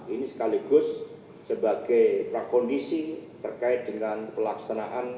ini sekaligus sebagai prakondisi terkait dengan pelaksanaan